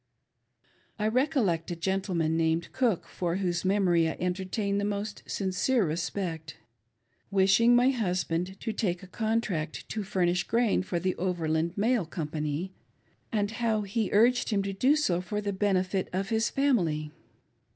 I recollect a gentleman named Cook, for whose memory I entertain the most sincere respect, wishing my husband to take a contract to furnish grain for the Overland Mail Com pany, and how he urged him to do so for the benefit of his family.